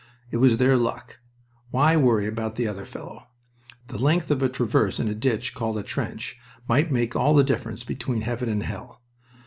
It was their luck. Why worry about the other fellow? The length of a traverse in a ditch called a trench might make all the difference between heaven and hell.